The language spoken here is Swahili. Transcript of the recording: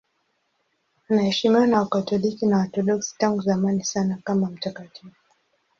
Anaheshimiwa na Wakatoliki na Waorthodoksi tangu zamani sana kama mtakatifu.